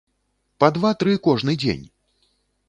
Па два-тры кожны дзень!